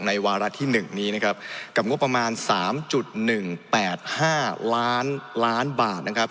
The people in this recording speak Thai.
ในวารัฐที่หนึ่งนี้นะครับกับงบประมาณสามจุดหนึ่งแปดห้าร้านล้านบาทนะครับ